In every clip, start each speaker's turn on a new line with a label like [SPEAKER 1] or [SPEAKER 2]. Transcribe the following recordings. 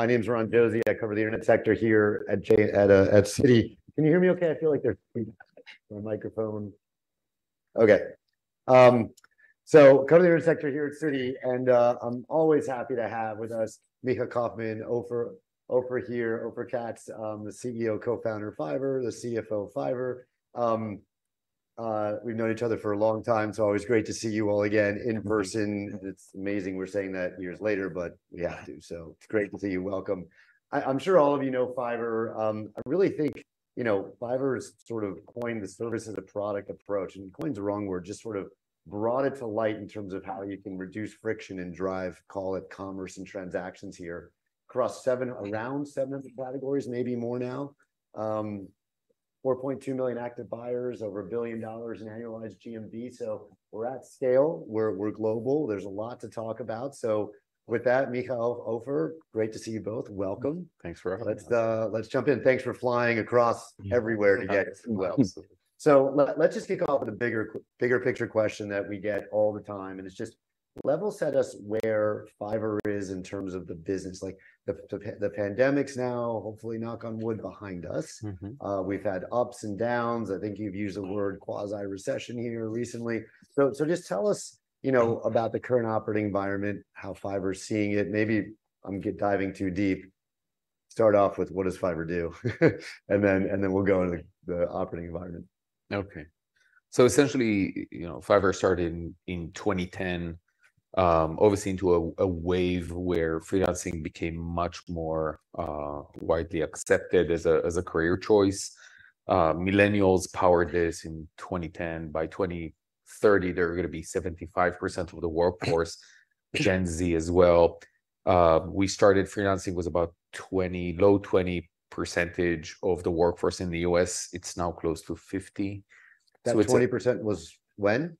[SPEAKER 1] My name is Ron Josey. I cover the internet sector here at Citi. Can you hear me okay? I feel like there's my microphone. Okay, so cover the internet sector here at Citi, and I'm always happy to have with us Micha Kaufman, Ofer Katz, the CEO, co-founder of Fiverr, the CFO of Fiverr. We've known each other for a long time, so always great to see you all again in person. It's amazing we're saying that years later, but we have to. So it's great to see you. Welcome. I'm sure all of you know Fiverr. I really think, you know, Fiverr has sort of coined the service as a product approach, and coined the wrong word, just sort of brought it to light in terms of how you can reduce friction and drive, call it commerce and transactions here, across seven- around seven different categories, maybe more now. Four point two million active buyers, over $1 billion in annualized GMV. We're at scale, we're global. There's a lot to offer to talk about. With that, Micha, Ofer, great to see you both. Welcome.
[SPEAKER 2] Thanks for having us.
[SPEAKER 1] Let's, let's jump in. Thanks for flying across everywhere to get here as well. So let's just kick off with a bigger, bigger picture question that we get all the time, and it's just level set us where Fiverr is in terms of the business. Like, the pandemic's now hopefully, knock on wood, behind us.
[SPEAKER 2] Mm-hmm.
[SPEAKER 1] We've had ups and downs. I think you've used the word quasi-recession here recently. So just tell us, you know, about the current operating environment, how Fiverr is seeing it. Maybe I'm diving too deep. Start off with what does Fiverr do, and then we'll go into the operating environment.
[SPEAKER 2] Okay. So essentially, you know, Fiverr started in 2010, obviously into a wave where freelancing became much more widely accepted as a career choice. Millennials powered this in 2010. By 2030, they're gonna be 75% of the workforce, Gen Z as well. We started freelancing, was about low 20s% of the workforce in the U.S., it's now close to 50%. So it's-
[SPEAKER 1] That 20% was when?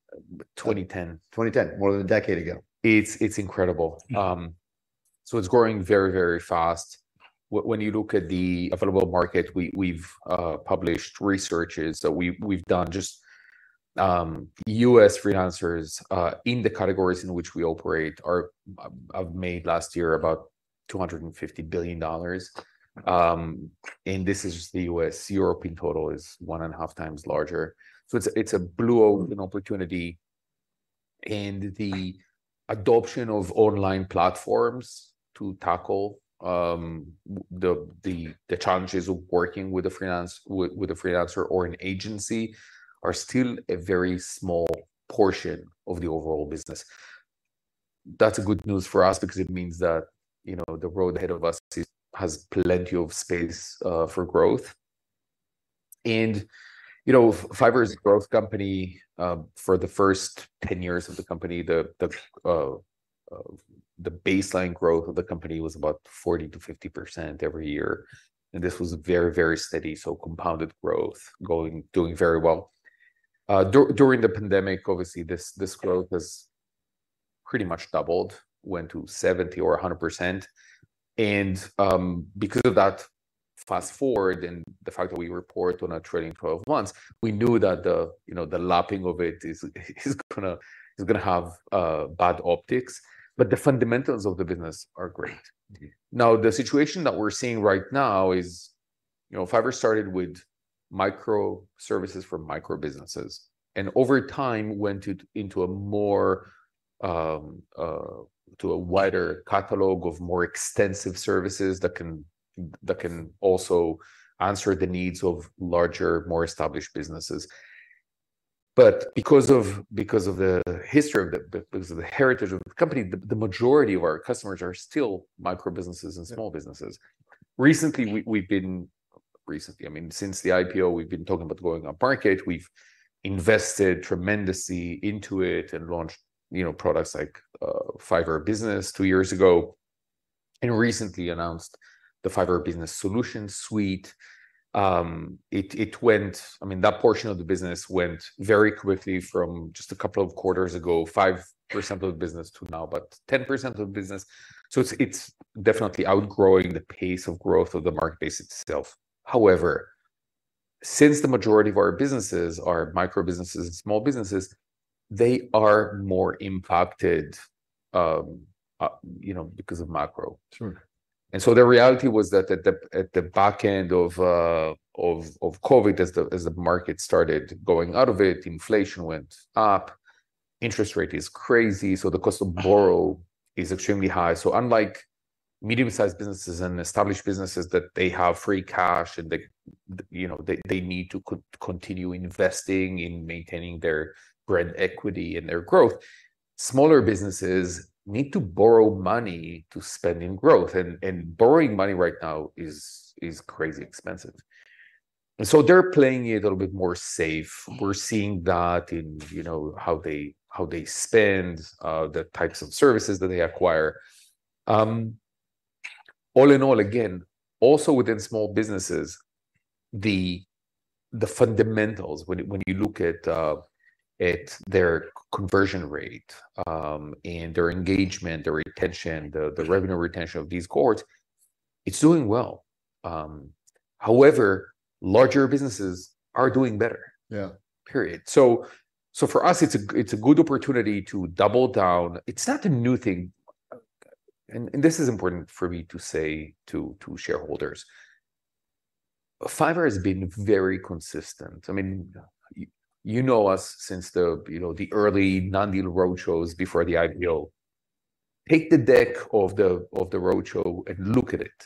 [SPEAKER 2] Twenty ten.
[SPEAKER 1] 2010, more than a decade ago.
[SPEAKER 2] It's incredible. It's growing very, very fast. When you look at the available market, we've published researches that we've done. Just U.S. freelancers in the categories in which we operate have made last year about $250 billion. This is just the U.S.; European total is one and a half times larger. It's a blue ocean opportunity, and the adoption of online platforms to tackle the challenges of working with a freelancer or an agency are still a very small portion of the overall business. That's good news for us because it means that, you know, the road ahead of us has plenty of space for growth. You know, Fiverr is a growth company. For the first 10 years of the company, the baseline growth of the company was about 40%-50% every year, and this was very, very steady, so compounded growth, going doing very well. During the pandemic, obviously, this growth has pretty much doubled, went to 70% or 100%. And because of that, fast forward, and the fact that we report on a trailing twelve months, we knew that you know, the lapping of it is gonna have bad optics, but the fundamentals of the business are great. Now, the situation that we're seeing right now is, you know, Fiverr started with micro services for micro businesses, and over time, went into a more, to a wider catalog of more extensive services that can also answer the needs of larger, more established businesses. But because of the history of the company, because of the heritage of the company, the majority of our customers are still micro businesses and small businesses. Recently, I mean, since the IPO, we've been talking about go-to-market. We've invested tremendously into it and launched, you know, products like Fiverr Business two years ago, and recently announced the Fiverr Business Solutions suite. I mean, that portion of the business went very quickly from just a couple of quarters ago, 5% of the business to now, but 10% of the business. So it's definitely outgrowing the pace of growth of the marketplace itself. However, since the majority of our businesses are micro businesses and small businesses, they are more impacted, you know, because of macro.
[SPEAKER 1] Sure.
[SPEAKER 2] And so the reality was that at the back end of COVID, as the market started going out of it, inflation went up, interest rate is crazy, so the cost to borrow is extremely high. So unlike medium-sized businesses and established businesses that they have free cash and they, you know, they need to continue investing in maintaining their brand equity and their growth, smaller businesses need to borrow money to spend in growth, and borrowing money right now is crazy expensive. And so they're playing it a little bit more safe. We're seeing that in, you know, how they spend, the types of services that they acquire. All in all, again, also within small businesses, the fundamentals, when you look at their conversion rate, and their engagement, their retention, the revenue retention of these cohorts, it's doing well. However, larger businesses are doing better.
[SPEAKER 1] Yeah.
[SPEAKER 2] Period. So for us, it's a good opportunity to double down. It's not a new thing, and this is important for me to say to shareholders, Fiverr has been very consistent. I mean, you know us since the early non-deal roadshows before the IPO. Take the deck of the roadshow and look at it.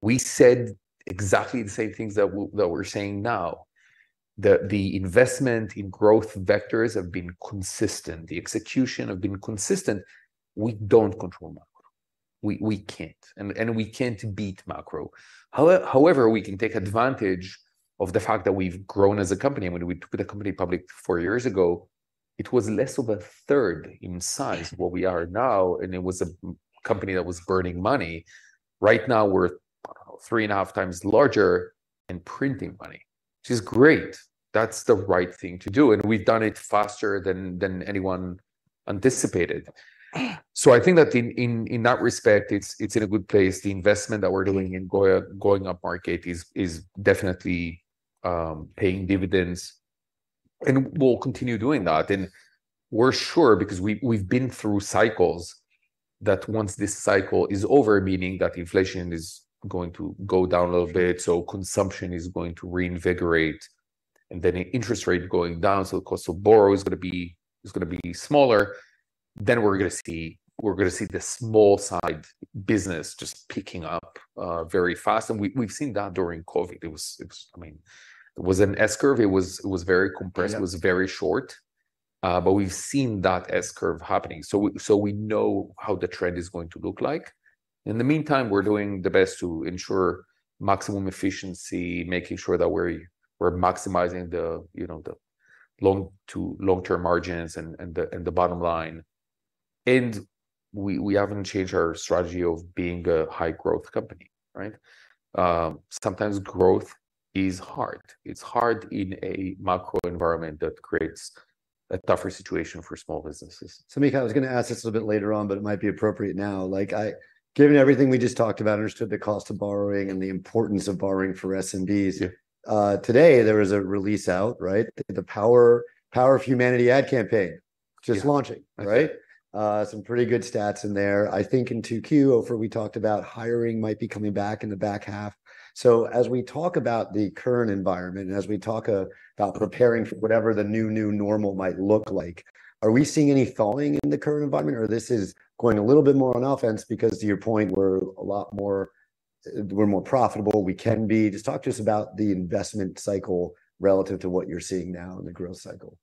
[SPEAKER 2] We said exactly the same things that we're saying now, that the investment in growth vectors have been consistent, the execution have been consistent. We don't control macro. We can't, and we can't beat macro. However, we can take advantage of the fact that we've grown as a company. When we took the company public four years ago, it was less of a third in size what we are now, and it was a company that was burning money. Right now, we're 3.5 times larger and printing money, which is great. That's the right thing to do, and we've done it faster than anyone anticipated. So I think that in that respect, it's in a good place. The investment that we're doing in going upmarket is definitely paying dividends, and we'll continue doing that. And we're sure because we've been through cycles, that once this cycle is over, meaning that inflation is going to go down a little bit, so consumption is going to reinvigorate, and then the interest rate going down, so the cost to borrow is gonna be smaller, then we're gonna see the small- and midsized business just picking up very fast, and we've seen that during COVID. It was... I mean, it was an S-curve. It was very compressed-
[SPEAKER 1] Yeah...
[SPEAKER 2] it was very short, but we've seen that S-curve happening. So we, so we know how the trend is going to look like. In the meantime, we're doing the best to ensure maximum efficiency, making sure that we're, we're maximizing the, you know, the long to long-term margins and, and the, and the bottom line, and we, we haven't changed our strategy of being a high-growth company, right? Sometimes growth is hard. It's hard in a macro environment that creates a tougher situation for small businesses.
[SPEAKER 1] So, Micha, I was gonna ask this a little bit later on, but it might be appropriate now. Like, given everything we just talked about, understood the cost of borrowing and the importance of borrowing for SMBs-
[SPEAKER 2] Yeah...
[SPEAKER 1] today, there was a release out, right? The Power of Humanity ad campaign-
[SPEAKER 2] Yeah...
[SPEAKER 1] just launching, right?
[SPEAKER 2] That's right.
[SPEAKER 1] Some pretty good stats in there. I think in 2Q, before we talked about hiring might be coming back in the back half. So as we talk about the current environment, as we talk about preparing for whatever the new, new normal might look like, are we seeing any thawing in the current environment, or this is going a little bit more on offense? Because to your point, we're a lot more, we're more profitable, we can be... Just talk to us about the investment cycle relative to what you're seeing now in the growth cycle.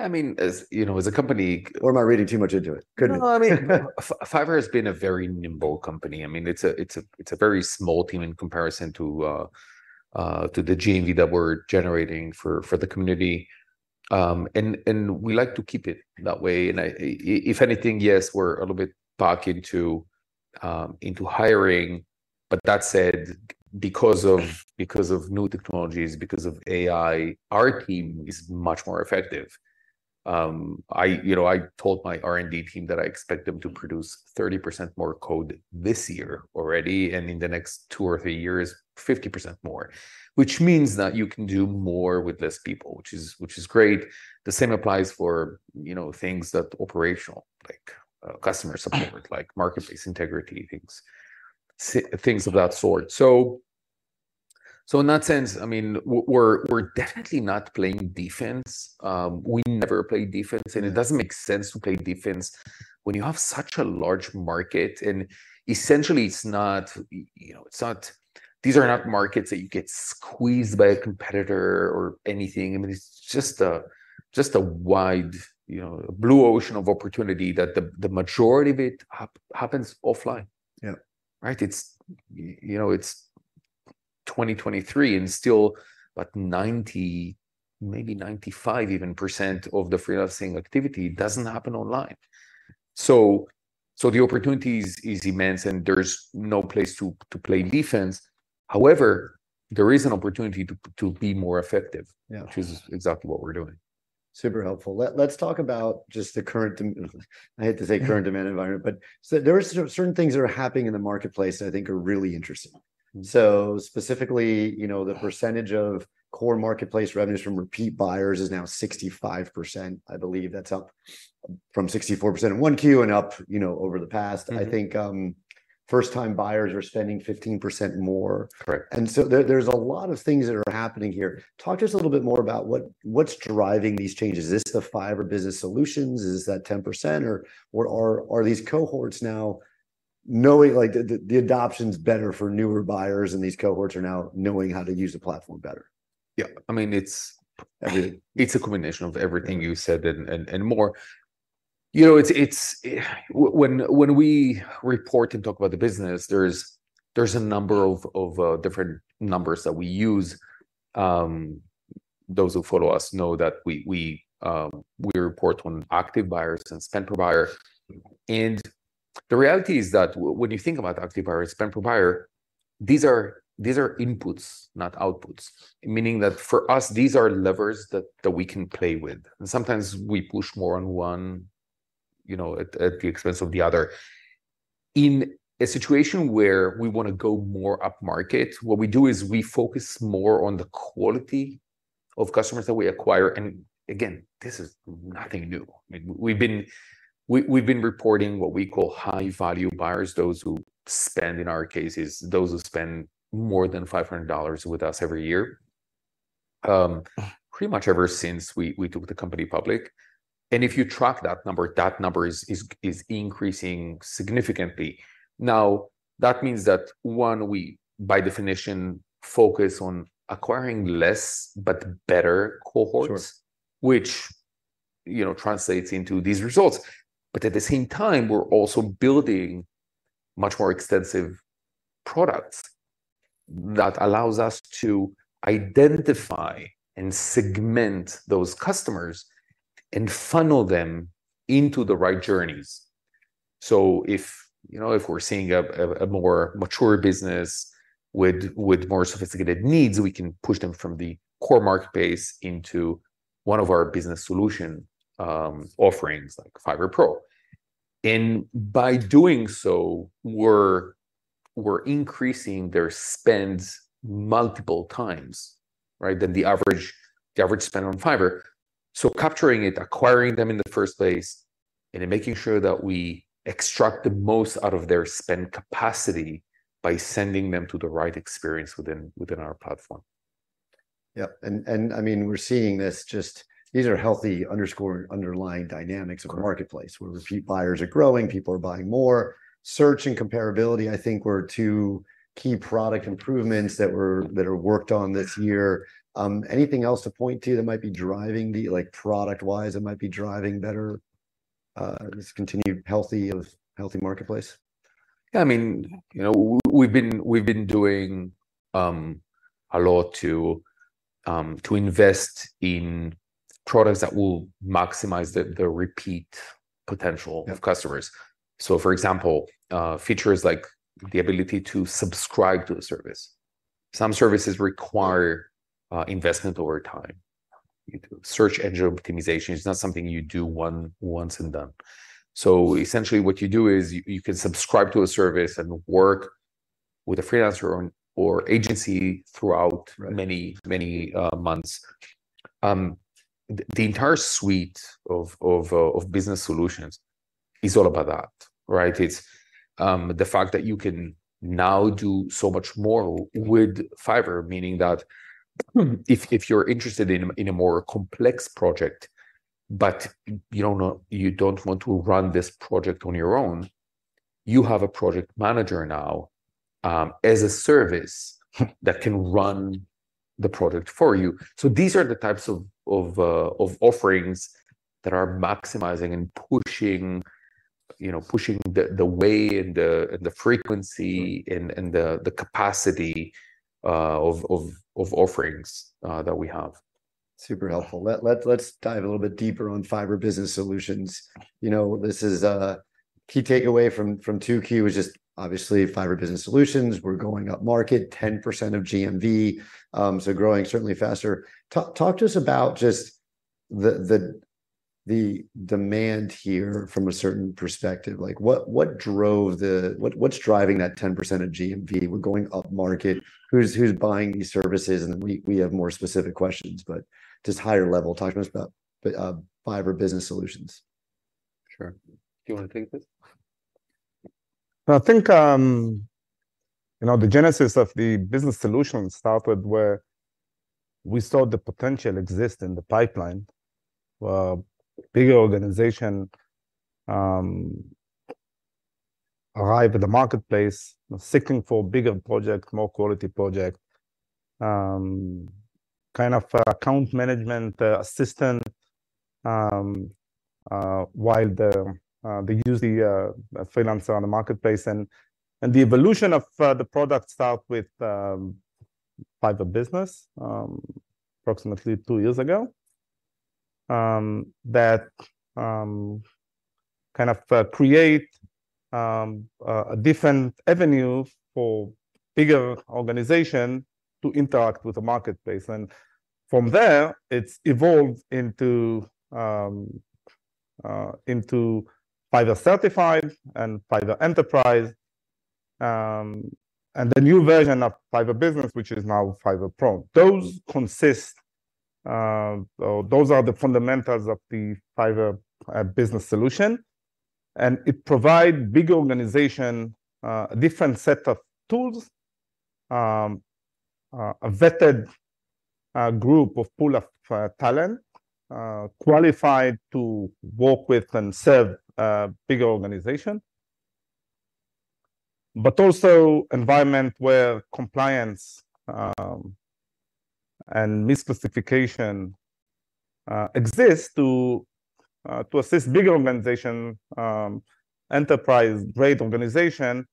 [SPEAKER 2] I mean, as you know, as a company-
[SPEAKER 1] Or am I reading too much into it? Good-
[SPEAKER 2] No, I mean, Fiverr has been a very nimble company. I mean, it's a very small team in comparison to the GMV that we're generating for the community, and we like to keep it that way. And if anything, yes, we're a little bit back into into hiring. But that said, because of new technologies, because of AI, our team is much more effective. I, you know, I told my R&D team that I expect them to produce 30% more code this year already, and in the next two or three years, 50% more, which means that you can do more with less people, which is great. The same applies for, you know, things that operational, like, customer support-
[SPEAKER 1] Mm...
[SPEAKER 2] like marketplace integrity, things of that sort. So in that sense, I mean, we're definitely not playing defense. We never play defense, and it doesn't make sense to play defense when you have such a large market. And essentially, it's not, you know, these are not markets that you get squeezed by a competitor or anything. I mean, it's just a wide, you know, a blue ocean of opportunity that the majority of it happens offline.
[SPEAKER 1] Yeah.
[SPEAKER 2] Right? It's, you know, it's 2023, and still, what, 90%, maybe 95% even, of the freelancing activity doesn't happen online. So the opportunity is immense, and there's no place to play defense. However, there is an opportunity to be more effective-
[SPEAKER 1] Yeah...
[SPEAKER 2] which is exactly what we're doing.
[SPEAKER 1] Super helpful. Let's talk about just the current, I hate to say current demand environment, but so there are certain things that are happening in the marketplace that I think are really interesting.
[SPEAKER 2] Mm.
[SPEAKER 1] Specifically, you know, the percentage of core marketplace revenues from repeat buyers is now 65%, I believe. That's up from 64% in 1Q and up, you know, over the past.
[SPEAKER 2] Mm-hmm.
[SPEAKER 1] I think, first-time buyers are spending 15% more.
[SPEAKER 2] Correct.
[SPEAKER 1] So there's a lot of things that are happening here. Talk to us a little bit more about what's driving these changes. Is this the Fiverr Business Solutions? Is that 10%, or are these cohorts now knowing, like, the adoption's better for newer buyers, and these cohorts are now knowing how to use the platform better?
[SPEAKER 2] Yeah, I mean, it's-
[SPEAKER 1] Yeah...
[SPEAKER 2] it's a combination of everything you said and more. You know, it's when we report and talk about the business, there's a number of different numbers that we use. Those who follow us know that we report on active buyers and spend per buyer. And the reality is that when you think about active buyer, spend per buyer, these are inputs, not outputs, meaning that for us, these are levers that we can play with, and sometimes we push more on one... you know, at the expense of the other. In a situation where we wanna go more upmarket, what we do is we focus more on the quality of customers that we acquire. And again, this is nothing new. I mean, we've been reporting what we call high-value buyers, those who spend more than $500 with us every year, pretty much ever since we took the company public. And if you track that number, that number is increasing significantly. Now, that means that, one, we by definition focus on acquiring less, but better cohorts-
[SPEAKER 1] Sure.
[SPEAKER 2] which, you know, translates into these results. But at the same time, we're also building much more extensive products that allows us to identify and segment those customers and funnel them into the right journeys. So if, you know, if we're seeing a more mature business with more sophisticated needs, we can push them from the core marketplace into one of our business solution offerings, like Fiverr Pro. And by doing so, we're increasing their spends multiple times, right, than the average spend on Fiverr. So capturing it, acquiring them in the first place, and then making sure that we extract the most out of their spend capacity by sending them to the right experience within our platform.
[SPEAKER 1] Yeah. And, and, I mean, we're seeing this just... these are healthy underlying dynamics-
[SPEAKER 2] Correct...
[SPEAKER 1] of the marketplace, where repeat buyers are growing, people are buying more. Search and comparability, I think were two key product improvements that are worked on this year. Anything else to point to that might be driving the, like, product-wise, that might be driving better, this continued healthy marketplace?
[SPEAKER 2] Yeah, I mean, you know, we've been doing a lot to invest in products that will maximize the repeat potential of customers. So, for example, features like the ability to subscribe to a service. Some services require investment over time. Search engine optimization is not something you do once and done. So essentially, what you do is you can subscribe to a service and work with a freelancer or agency throughout-
[SPEAKER 1] Right...
[SPEAKER 2] many, many months. The entire suite of business solutions is all about that, right? It's the fact that you can now do so much more with Fiverr, meaning that if you're interested in a more complex project, but you don't want to run this project on your own, you have a project manager now as a service that can run the project for you. So these are the types of offerings that are maximizing and pushing, you know, pushing the way and the frequency and the capacity of offerings that we have.
[SPEAKER 1] Super helpful. Let's dive a little bit deeper on Fiverr Business Solutions. You know, this is a key takeaway from 2Q, which is obviously Fiverr Business Solutions. We're going upmarket, 10% of GMV, so growing certainly faster. Talk to us about just the demand here from a certain perspective. Like, what drove the... What's driving that 10% of GMV? We're going upmarket. Who's buying these services? And we have more specific questions, but just higher level, talk to us about Fiverr Business Solutions.
[SPEAKER 2] Sure. Do you wanna take this?
[SPEAKER 3] I think, you know, the genesis of the business solution started where we saw the potential exist in the pipeline, bigger organization arrive at the marketplace, seeking for bigger project, more quality project, kind of account management assistant while they use the freelancer on the marketplace. And the evolution of the product start with Fiverr Business approximately two years ago, that kind of create a different avenue for bigger organization to interact with the marketplace. And from there, it's evolved into Fiverr Certified and Fiverr Enterprise, and the new version of Fiverr Business, which is now Fiverr Pro. Those consist, or those are the fundamentals of the Fiverr Business solution, and it provide big organization a different set of tools, a vetted group, pool of talent qualified to work with and serve a bigger organization, but also environment where compliance and misclassification exists to assist bigger organization, Enterprise-grade organization,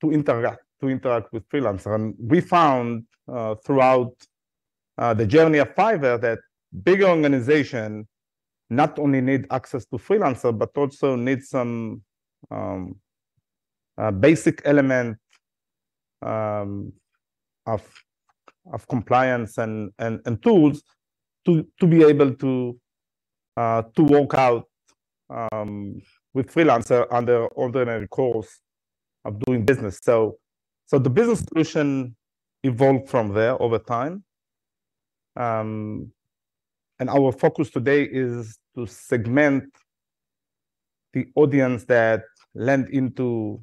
[SPEAKER 3] to interact, to interact with freelancer. And we found, throughout the journey of Fiverr, that bigger organization not only need access to freelancer, but also need some basic elements of compliance and tools to be able to work with freelancer under ordinary course of doing business. So the business solution evolved from there over time. And our focus today is to segment the audience that land into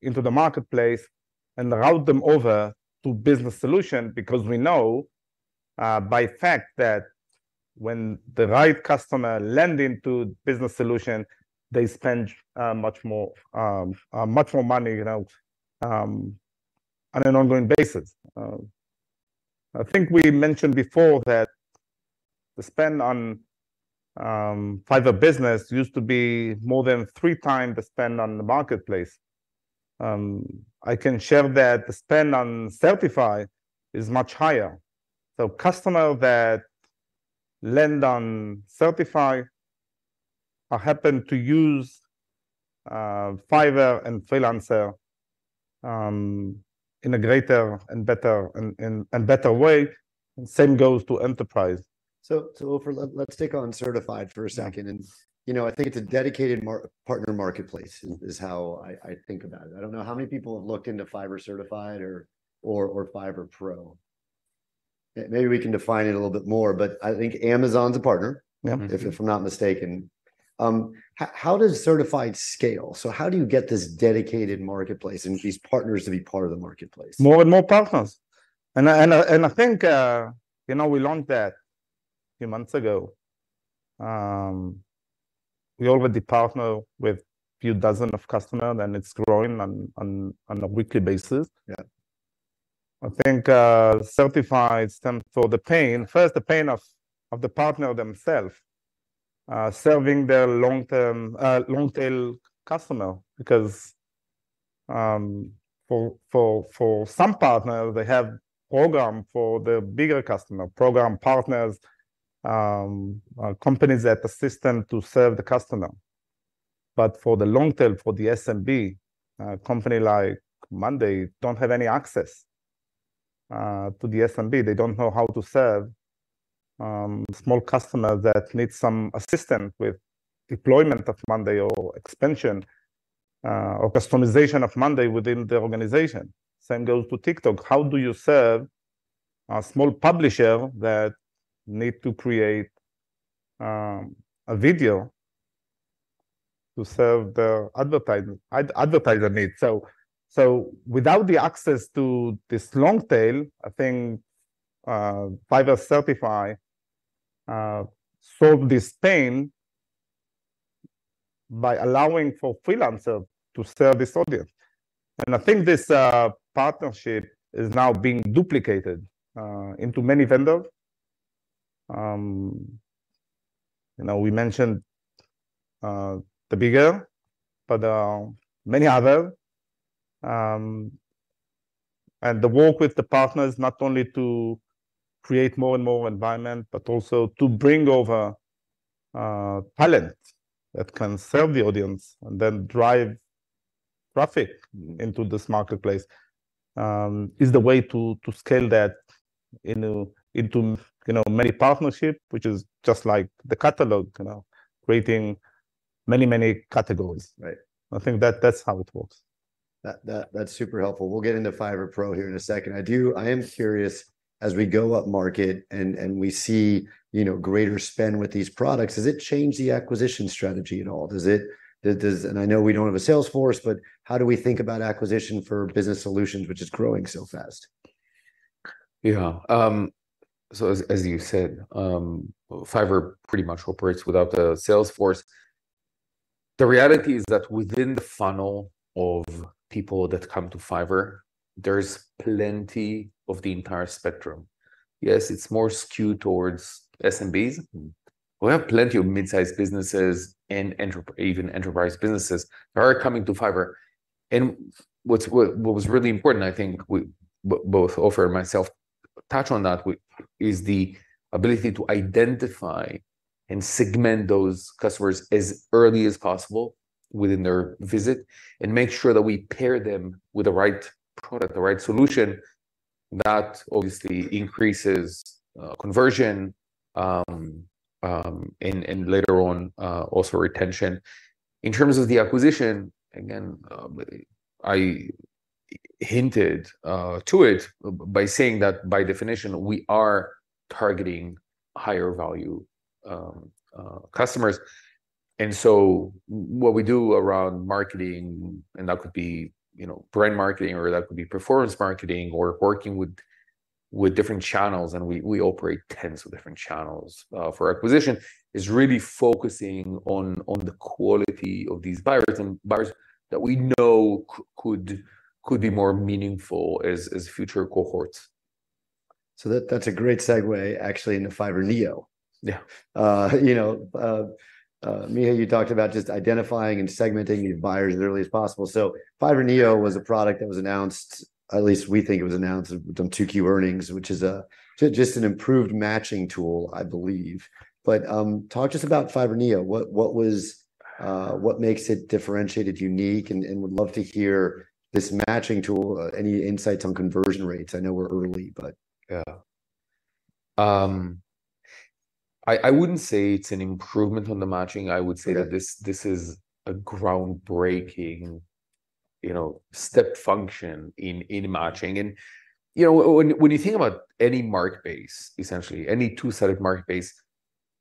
[SPEAKER 3] the marketplace and route them over to business solution, because we know by fact that when the right customer land into business solution, they spend much more, much more money, you know, on an ongoing basis. I think we mentioned before that the spend on Fiverr Business used to be more than 3 times the spend on the marketplace. I can share that the spend on Certified is much higher. So customer that land on Certified or happen to use Fiverr and freelancer in a greater and better and better way, and same goes to enterprise.
[SPEAKER 1] Ofer, let's take on Certified for a second.
[SPEAKER 3] Yeah.
[SPEAKER 1] You know, I think it's a dedicated partner marketplace, is how I think about it. I don't know how many people have looked into Fiverr Certified or Fiverr Pro. Maybe we can define it a little bit more, but I think Amazon's a partner-
[SPEAKER 3] Yeah.
[SPEAKER 2] Mm-hmm....
[SPEAKER 1] if I'm not mistaken. How, how does Certified scale? So how do you get this dedicated marketplace and these partners to be part of the marketplace?
[SPEAKER 3] More and more partners. And I think, you know, we learned that a few months ago. We already partner with few dozen of customer, and it's growing on a weekly basis.
[SPEAKER 1] Yeah.
[SPEAKER 3] I think, Certified stands for the pain, first the pain of, of the partner themself, serving their long-term, long-tail customer. Because, for, for, for some partner, they have program for the bigger customer, program partners, companies that assist them to serve the customer. But for the long tail, for the SMB, company like Monday don't have any access, to the SMB. They don't know how to serve, small customer that needs some assistance with deployment of Monday or expansion, or customization of Monday within the organization. Same goes to TikTok. How do you serve a small publisher that need to create, a video to serve the advertisement, advertiser need? So, without the access to this long tail, I think, Fiverr Certified, solve this pain by allowing for freelancer to serve this audience. And I think this partnership is now being duplicated into many vendors. You know, we mentioned the bigger, but there are many others, and the work with the partners, not only to create more and more environments, but also to bring over talent that can serve the audience and then drive traffic into this marketplace, is the way to scale that into you know many partnerships, which is just like the catalog, you know, creating many, many categories.
[SPEAKER 1] Right.
[SPEAKER 3] I think that that's how it works.
[SPEAKER 1] That's super helpful. We'll get into Fiverr Pro here in a second. I am curious, as we go up market and we see, you know, greater spend with these products, does it change the acquisition strategy at all? Does it, and I know we don't have a sales force, but how do we think about acquisition for business solutions, which is growing so fast?
[SPEAKER 2] Yeah. So as you said, Fiverr pretty much operates without a sales force. The reality is that within the funnel of people that come to Fiverr, there's plenty of the entire spectrum. Yes, it's more skewed towards SMBs. We have plenty of mid-sized businesses and even enterprise businesses that are coming to Fiverr. And what was really important, I think, both Ofer and myself touched on that, is the ability to identify and segment those customers as early as possible within their visit, and make sure that we pair them with the right product, the right solution. That obviously increases conversion and later on also retention. In terms of the acquisition, again, I hinted to it by saying that, by definition, we are targeting higher value customers. And so what we do around marketing, and that could be, you know, brand marketing, or that could be performance marketing, or working with different channels, and we operate tens of different channels for acquisition, is really focusing on the quality of these buyers and buyers that we know could be more meaningful as future cohorts.
[SPEAKER 1] So that, that's a great segue, actually, into Fiverr Neo.
[SPEAKER 2] Yeah.
[SPEAKER 1] You know, Micha, you talked about just identifying and segmenting your buyers as early as possible. So Fiverr Neo was a product that was announced, at least we think it was announced on two key earnings, which is just an improved matching tool, I believe. But, talk to us about Fiverr Neo. What makes it differentiated, unique? And would love to hear this matching tool, any insights on conversion rates? I know we're early, but-
[SPEAKER 2] Yeah. I wouldn't say it's an improvement on the matching.
[SPEAKER 1] Okay.
[SPEAKER 2] I would say that this is a groundbreaking, you know, step function in matching. And, you know, when you think about any marketplace, essentially, any two-sided marketplace,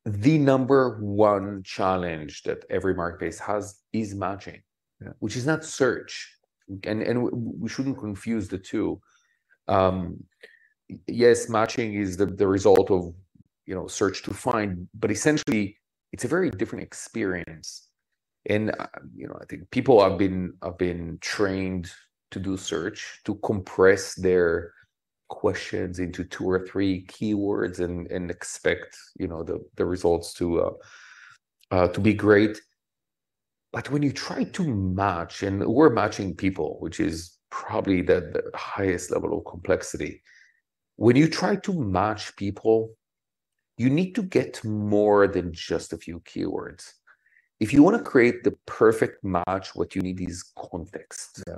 [SPEAKER 2] the number one challenge that every marketplace has is matching.
[SPEAKER 1] Yeah.
[SPEAKER 2] Which is not search, and we shouldn't confuse the two. Yes, matching is the result of, you know, search to find, but essentially it's a very different experience. And, you know, I think people have been trained to do search, to compress their questions into two or three keywords and expect, you know, the results to to be great. But when you try to match, and we're matching people, which is probably the highest level of complexity, when you try to match people, you need to get more than just a few keywords. If you want to create the perfect match, what you need is context.
[SPEAKER 1] Yeah.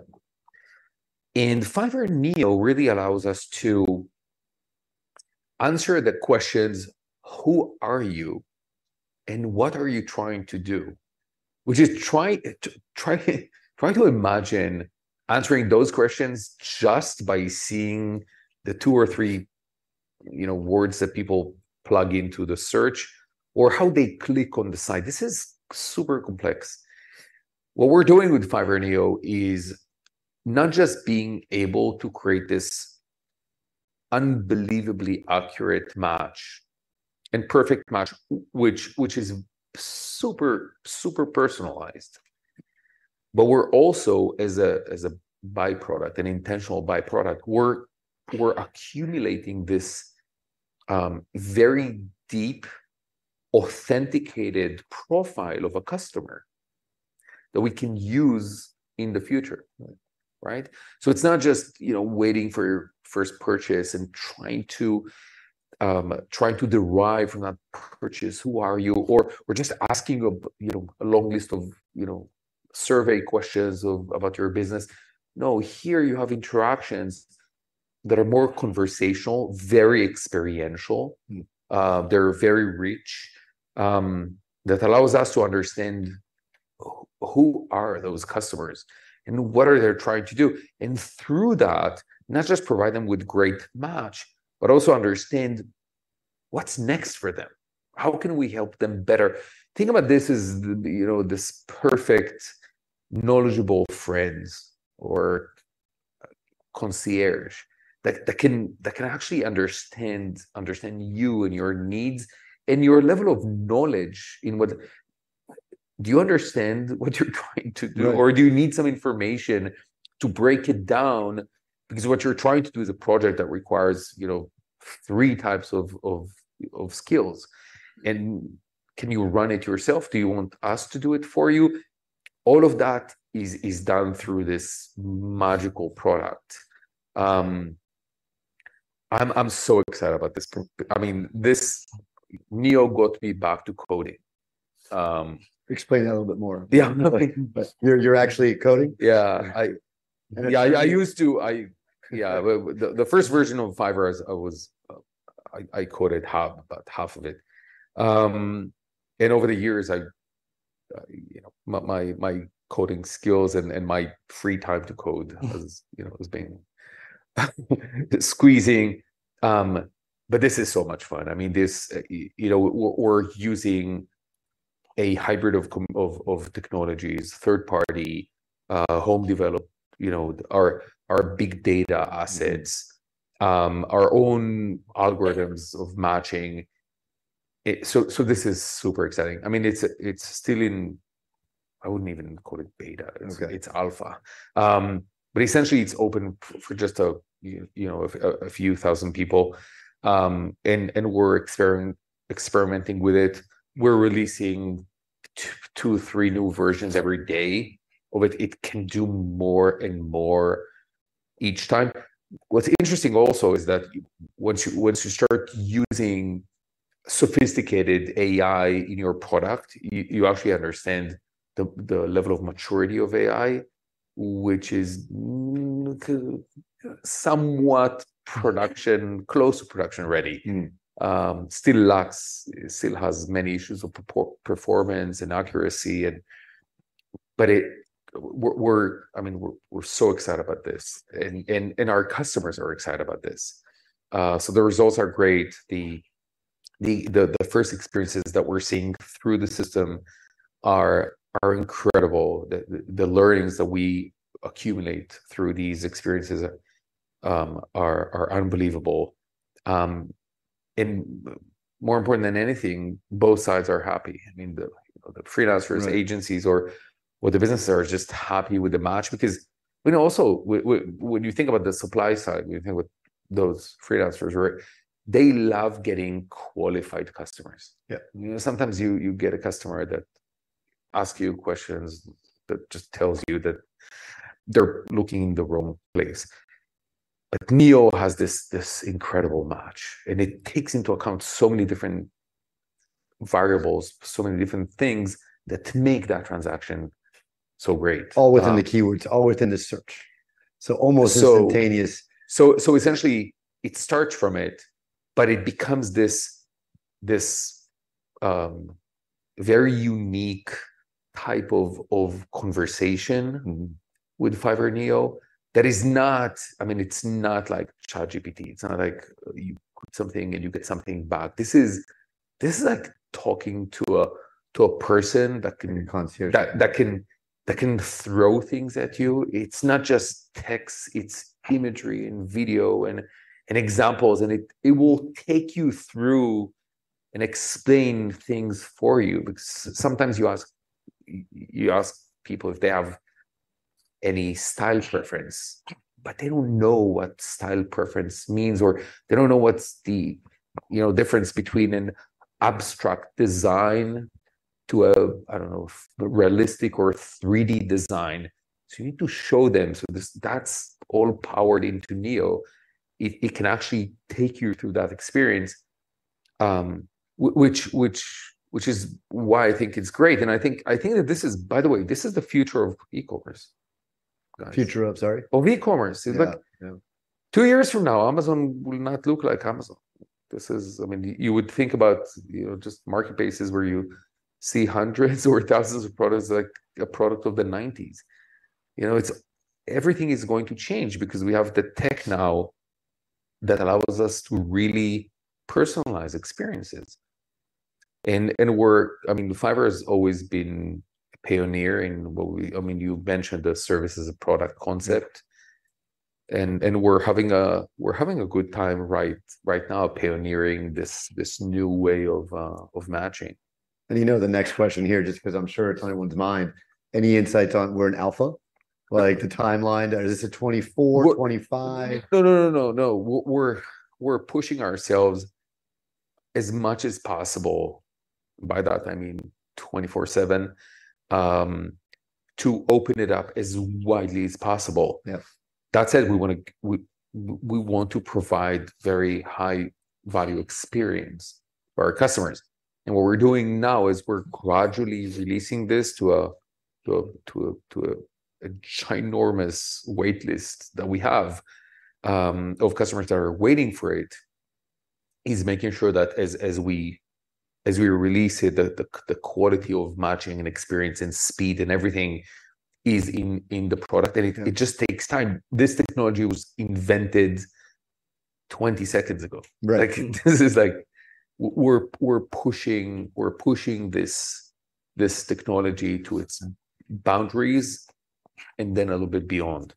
[SPEAKER 2] Fiverr Neo really allows us to answer the questions, who are you, and what are you trying to do? Which is to try to imagine answering those questions just by seeing the two or three, you know, words that people plug into the search, or how they click on the site. This is super complex. What we're doing with Fiverr Neo is not just being able to create this unbelievably accurate match and perfect match, which is super personalized, but we're also, as a by-product, an intentional by-product, we're accumulating this very deep, authenticated profile of a customer that we can use in the future.
[SPEAKER 1] Right.
[SPEAKER 2] Right? So it's not just, you know, waiting for your first purchase and trying to, trying to derive from that purchase, who are you? Or we're just asking a, you know, a long list of, you know, survey questions of, about your business. No, here you have interactions that are more conversational, very experiential-
[SPEAKER 1] Mm.
[SPEAKER 2] They're very rich, that allows us to understand who are those customers, and what are they trying to do? Through that, not just provide them with great match, but also understand what's next for them. How can we help them better? Think about this as the, you know, this perfect, knowledgeable friends or concierge, that can actually understand you and your needs and your level of knowledge in what-- Do you understand what you're trying to do?
[SPEAKER 1] Right.
[SPEAKER 2] Or do you need some information to break it down? Because what you're trying to do is a project that requires, you know, three types of skills. And can you run it yourself? Do you want us to do it for you? All of that is done through this magical product. I'm so excited about this. I mean, this Neo got me back to coding.
[SPEAKER 1] Explain that a little bit more.
[SPEAKER 2] Yeah.
[SPEAKER 1] You're actually coding?
[SPEAKER 2] Yeah. I-
[SPEAKER 1] And it...
[SPEAKER 2] Yeah, I used to. Yeah, the first version of Fiverr I—I was, I coded about half of it. And over the years, you know, my coding skills and my free time to code-
[SPEAKER 1] Mm.
[SPEAKER 2] was, you know, was being squeezing. But this is so much fun. I mean, this, you know, we're using a hybrid of technologies, third party, home developed, you know, our big data assets-
[SPEAKER 1] Mm.
[SPEAKER 2] our own algorithms of matching. So, this is super exciting. I mean, it's still in, I wouldn't even call it beta.
[SPEAKER 1] Okay.
[SPEAKER 2] It's Alpha. But essentially, it's open for just a—you know—a few thousand people. And we're experimenting with it. We're releasing 2-3 new versions every day, but it can do more and more each time. What's interesting also is that once you start using sophisticated AI in your product, you actually understand the level of maturity of AI, which is somewhat production-close to production ready.
[SPEAKER 1] Mm.
[SPEAKER 2] It still lacks, it still has many issues of performance and accuracy, and... But we're, I mean, we're so excited about this, and our customers are excited about this. So the results are great. The first experiences that we're seeing through the system are incredible. The learnings that we accumulate through these experiences are unbelievable. And more important than anything, both sides are happy. I mean, the freelancers-
[SPEAKER 1] Right...
[SPEAKER 2] agencies or the businesses are just happy with the match because, you know, also, when, when you think about the supply side, when you think about those freelancers, right? They love getting qualified customers.
[SPEAKER 1] Yeah.
[SPEAKER 2] You know, sometimes you get a customer that asks you questions that just tells you that they're looking in the wrong place... but Neo has this incredible match, and it takes into account so many different variables, so many different things that make that transaction so great.
[SPEAKER 1] All within the keywords, all within the search. So almost-
[SPEAKER 2] So-
[SPEAKER 1] - instantaneous.
[SPEAKER 2] So, essentially, it starts from it, but it becomes this, very unique type of, conversation-
[SPEAKER 1] Mm-hmm...
[SPEAKER 2] with Fiverr Neo that is not, I mean, it's not like ChatGPT. It's not like you put something, and you get something back. This is, this is like talking to a, to a person that can-
[SPEAKER 1] Consider ...
[SPEAKER 2] that can throw things at you. It's not just text, it's imagery and video and examples, and it will take you through and explain things for you. Because sometimes you ask people if they have any style preference, but they don't know what style preference means, or they don't know what's the, you know, difference between an abstract design to a, I don't know, realistic or a 3D design. So you need to show them. So this—that's all powered into Neo. It can actually take you through that experience, which is why I think it's great, and I think that this is... By the way, this is the future of e-commerce, guys.
[SPEAKER 1] Future of, sorry?
[SPEAKER 2] Of e-commerce.
[SPEAKER 1] Yeah, yeah.
[SPEAKER 2] Two years from now, Amazon will not look like Amazon. This is, I mean, you would think about, you know, just marketplaces where you see hundreds or thousands of products, like a product of the nineties. You know, it's, everything is going to change because we have the tech now that allows us to really personalize experiences. And, and we're, I mean, Fiverr has always been a pioneer in what we... I mean, you mentioned the service as a product concept.
[SPEAKER 1] Yeah.
[SPEAKER 2] And we're having a good time right now, pioneering this new way of matching.
[SPEAKER 1] You know the next question here, just because I'm sure it's on everyone's mind, any insights on we're in Alpha? Like the timeline, is this a 2024, 2025?
[SPEAKER 2] No, no, no, no, no. We're pushing ourselves as much as possible, by that I mean 24/7, to open it up as widely as possible.
[SPEAKER 1] Yeah.
[SPEAKER 2] That said, we want to provide very high value experience for our customers, and what we're doing now is we're gradually releasing this to a ginormous wait list that we have of customers that are waiting for it, making sure that as we release it, the quality of matching and experience and speed and everything is in the product.
[SPEAKER 1] Yeah.
[SPEAKER 2] It just takes time. This technology was invented 20 seconds ago.
[SPEAKER 1] Right.
[SPEAKER 2] Like, this is like... we're pushing this technology to its boundaries, and then a little bit beyond.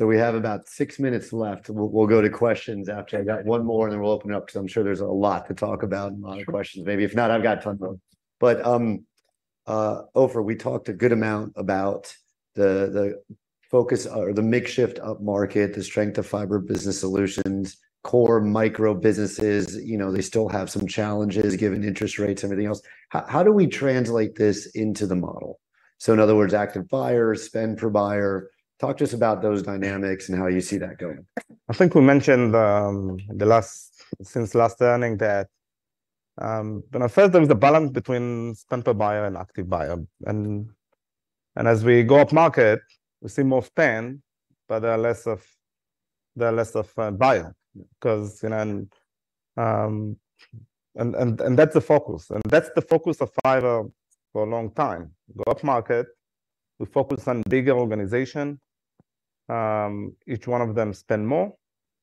[SPEAKER 1] We have about six minutes left. We'll go to questions after.
[SPEAKER 2] Right.
[SPEAKER 1] I got one more, and then we'll open it up, because I'm sure there's a lot to talk about.
[SPEAKER 2] Sure...
[SPEAKER 1] and a lot of questions. Maybe if not, I've got a ton of them. But, Ofer, we talked a good amount about the focus or the mix shift up-market, the strength of Fiverr Business Solutions, core micro businesses. You know, they still have some challenges, given interest rates, everything else. How do we translate this into the model? So in other words, active buyer, spend per buyer. Talk to us about those dynamics and how you see that going.
[SPEAKER 3] I think we mentioned, the last, since last earnings, that, you know, first, there was the balance between spend per buyer and active buyer. And, and as we go up-market, we see more spend, but there are less of, there are less of, buyer. Because, you know, and, and, and that's the focus, and that's the focus of Fiverr for a long time. Go up-market, we focus on bigger organization. Each one of them spend more,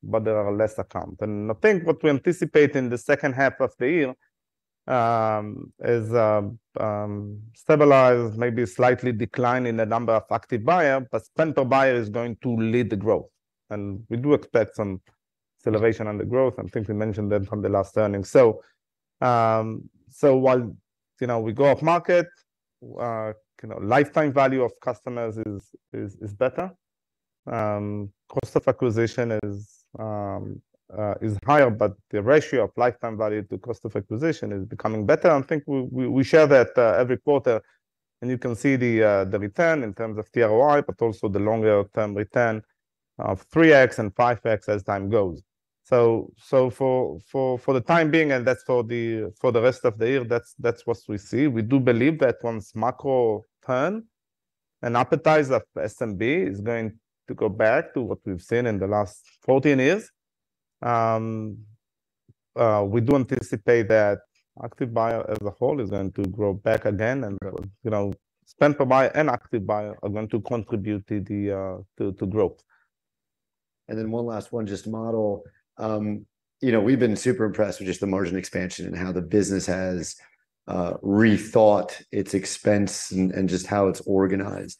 [SPEAKER 3] but there are less account. And I think what we anticipate in the second half of the year, is, stabilize, maybe slightly decline in the number of active buyer, but spend per buyer is going to lead the growth, and we do expect some acceleration on the growth. I think we mentioned that from the last earnings. So, so while, you know, we go up-market, you know, lifetime value of customers is better. Cost of acquisition is higher, but the ratio of lifetime value to cost of acquisition is becoming better. I think we share that every quarter, and you can see the return in terms of ROI, but also the longer term return of 3x and 5x as time goes. So, for the time being, and that's for the rest of the year, that's what we see. We do believe that once macro turns, appetite for SMB is going to go back to what we've seen in the last 14 years. We do anticipate that Active Buyers as a whole is going to grow back again, and, you know, Spend Per Buyer and Active Buyers are going to contribute to the growth.
[SPEAKER 1] Then one last one, just to model. You know, we've been super impressed with just the margin expansion and how the business has rethought its expense and just how it's organized.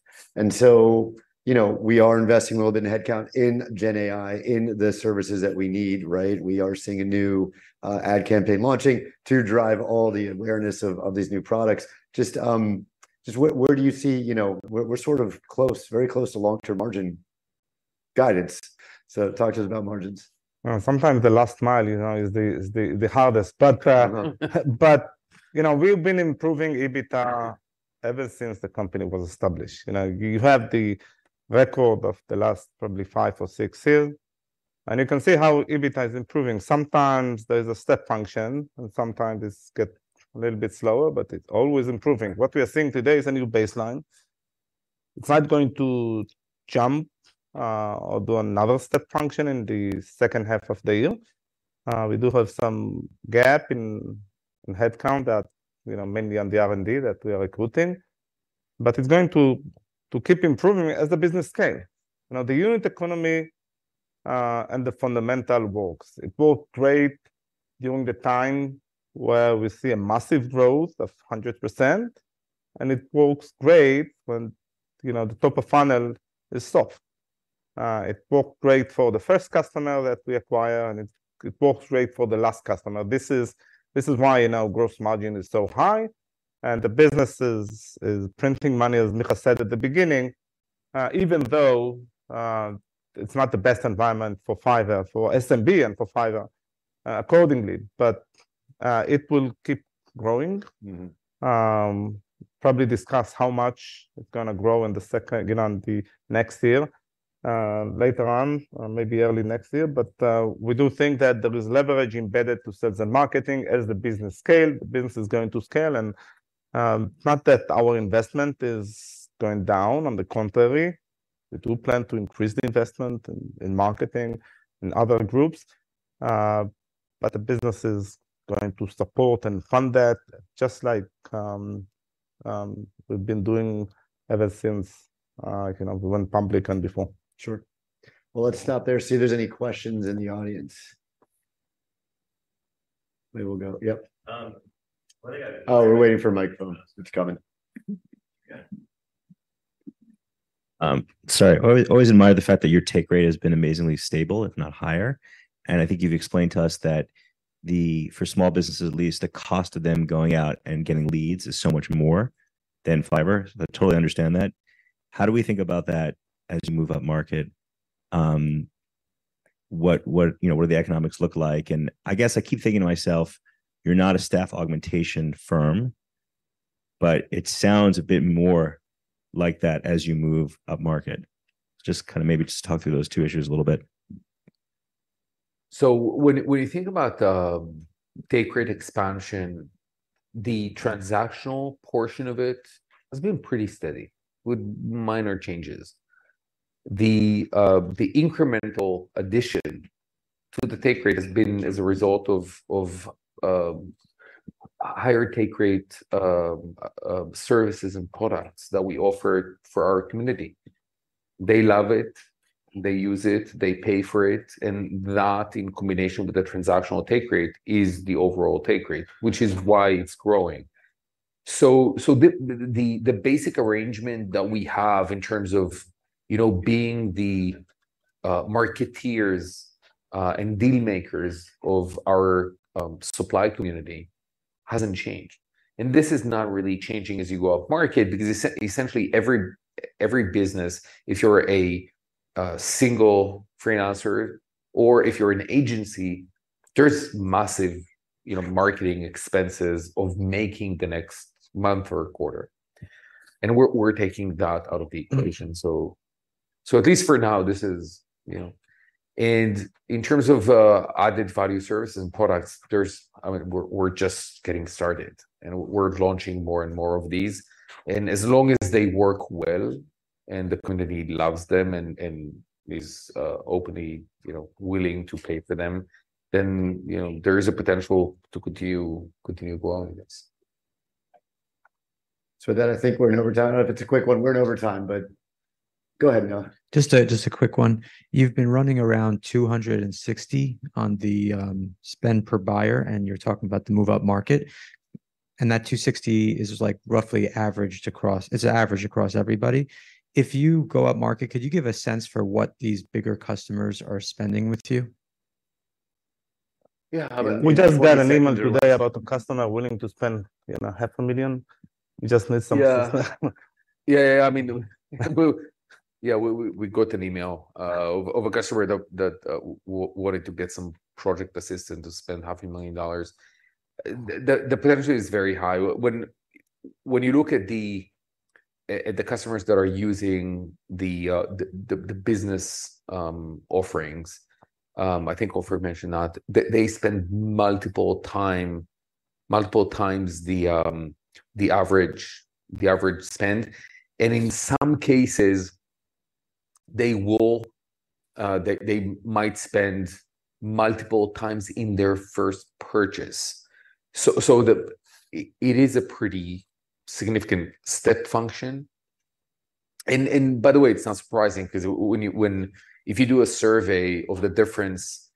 [SPEAKER 1] So you know, we are investing a little bit in headcount, in GenAI, in the services that we need, right? We are seeing a new ad campaign launching to drive all the awareness of these new products. Just where do you see... You know, we're sort of close, very close to long-term margin guidance. So talk to us about margins.
[SPEAKER 3] Well, sometimes the last mile, you know, is the hardest, but
[SPEAKER 1] Mm-hmm...
[SPEAKER 3] You know, we've been improving EBITDA ever since the company was established. You know, you have the record of the last probably five or six years, and you can see how EBITDA is improving. Sometimes there's a step function, and sometimes it's get a little bit slower, but it's always improving. What we are seeing today is a new baseline. It's not going to jump, or do another step function in the second half of the year. We do have some gap in headcount that, you know, mainly on the R&D that we are recruiting, but it's going to keep improving as the business scale. Now, the unit economy, and the fundamental works, it worked great during the time where we see a massive growth of 100%, and it works great when, you know, the top of funnel is soft. It worked great for the first customer that we acquire, and it works great for the last customer. This is why, you know, gross margin is so high, and the business is printing money, as Micha said at the beginning, even though it's not the best environment for Fiverr, for SMB and for Fiverr, accordingly, but it will keep growing.
[SPEAKER 4] Mm-hmm.
[SPEAKER 3] Probably discuss how much it's gonna grow in the second, you know, the next year, later on, or maybe early next year. But, we do think that there is leverage embedded to sales and marketing as the business scale. The business is going to scale, and, not that our investment is going down. On the contrary, we do plan to increase the investment in marketing, in other groups, but the business is going to support and fund that, just like, we've been doing ever since, you know, we went public and before.
[SPEAKER 4] Sure. Well, let's stop there, see if there's any questions in the audience. We will go... Yep. What I got- Oh, we're waiting for a microphone. It's coming. Yeah. Sorry. Always admired the fact that your take rate has been amazingly stable, if not higher, and I think you've explained to us that the... for small businesses, at least, the cost of them going out and getting leads is so much more than Fiverr. I totally understand that. How do we think about that as you move up market? What, what, you know, what do the economics look like? And I guess I keep thinking to myself, you're not a staff augmentation firm, but it sounds a bit more like that as you move up market. Just kinda maybe just talk through those two issues a little bit.
[SPEAKER 2] So when you think about take rate expansion, the transactional portion of it has been pretty steady, with minor changes. The incremental addition to the take rate has been as a result of higher take rate services and products that we offer for our community. They love it, they use it, they pay for it, and that, in combination with the transactional take rate, is the overall take rate, which is why it's growing. So, the basic arrangement that we have in terms of, you know, being the marketeers and deal makers of our supply community hasn't changed, and this is not really changing as you go up market, because essentially, every business, if you're a single freelancer or if you're an agency, there's massive, you know, marketing expenses of making the next month or quarter, and we're taking that out of the equation. So, at least for now, this is, you know... And in terms of added value, service, and products, there's, I mean, we're just getting started, and we're launching more and more of these. As long as they work well and the community loves them and is openly, you know, willing to pay for them, then, you know, there is a potential to continue growing, yes.
[SPEAKER 4] With that, I think we're in overtime. If it's a quick one, we're in overtime, but go ahead, Noah. Just a quick one. You've been running around $260 on the spend per buyer, and you're talking about the move-up market, and that $260 is, like, roughly averaged across... It's an average across everybody. If you go up market, could you give a sense for what these bigger customers are spending with you?
[SPEAKER 2] Yeah, we just-
[SPEAKER 3] We just got an email today about a customer willing to spend, you know, $500,000. We just need some-
[SPEAKER 2] Yeah. Yeah, yeah, I mean, we got an email of a customer that wanted to get some project assistant to spend $500,000. The potential is very high. When you look at the customers that are using the business offerings, I think Ofer mentioned that they spend multiple times the average spend, and in some cases, they might spend multiple times in their first purchase. So it is a pretty significant step function. And by the way, it's not surprising, 'cause when you, when... If you do a survey of the difference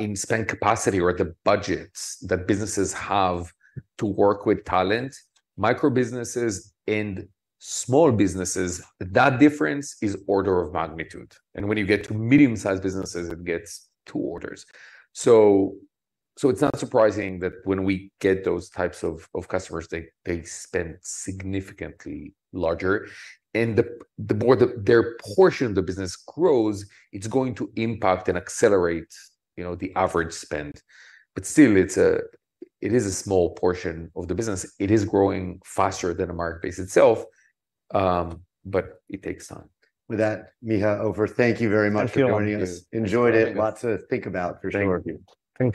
[SPEAKER 2] in spend capacity or the budgets that businesses have to work with talent, micro businesses and small businesses, that difference is order of magnitude, and when you get to medium-sized businesses, it gets two orders. So it's not surprising that when we get those types of customers, they spend significantly larger, and the more their portion of the business grows, it's going to impact and accelerate, you know, the average spend. But still, it is a small portion of the business. It is growing faster than the market base itself, but it takes time.
[SPEAKER 4] With that, Micha, Ofer, thank you very much for joining us.
[SPEAKER 2] Thank you.
[SPEAKER 4] Enjoyed it. Lot to think about, for sure.
[SPEAKER 2] Thank you.